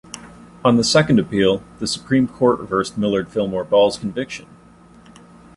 On the second appeal, the Supreme Court reversed Millard Fillmore Ball's conviction.